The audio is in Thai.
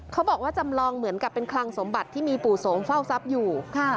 เขาบอกว่าจำลองเหมือนกับเป็นคลังสมบัติที่มีปู่สงฆ์เฝ้าทรัพย์อยู่